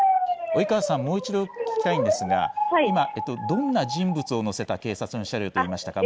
及川さん、もう１度聞きたいんですが今どんな人物を乗せた警察の車両と言いましたか。